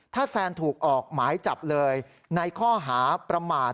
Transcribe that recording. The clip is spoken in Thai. ถ้าแซนถูกออกหมายจับเลยในข้อหาประมาท